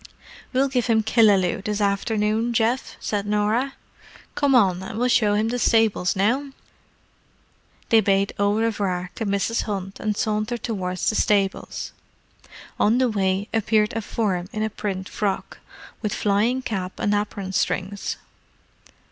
"We'll give him Killaloe this afternoon, Geoff," said Norah. "Come on, and we'll show him the stables now." They bade au revoir to Mrs. Hunt and sauntered towards the stables. On the way appeared a form in a print frock, with flying cap and apron strings.